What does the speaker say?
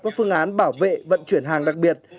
các phương án bảo vệ vận chuyển hàng đặc biệt